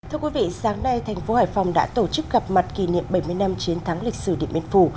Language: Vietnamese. thưa quý vị sáng nay thành phố hải phòng đã tổ chức gặp mặt kỷ niệm bảy mươi năm chiến thắng lịch sử điện biên phủ